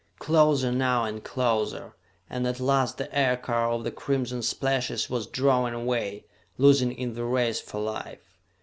Closer now and closer, and at last the aircar of the crimson splashes was drawing away, losing in the race for life.